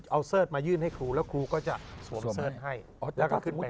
เอาเสิร์ศมายื่นให้ครูแล้วครูก็จะสวมเสิร์ศให้